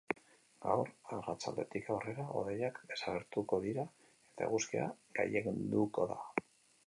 Gaur arratsaldetik aurrera, hodeiak desagertuko dira eta eguzkia gailenduko da.